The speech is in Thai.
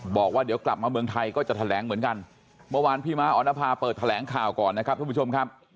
บอกว่าเดี๋ยวกลับมาเมืองไทยก็จะแถลงเหมือนกันเมื่อวานพี่ม้าออนภาเปิดแถลงข่าวก่อนนะครับทุกผู้ชมครับ